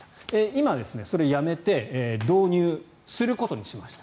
今、それをやめて導入することにしました。